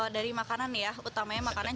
dari makanan ya utamanya makanan